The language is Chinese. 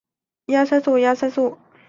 神奇动物管理员的冒险经历故事。